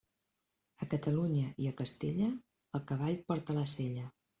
A Catalunya i a Castella, el cavall porta la sella.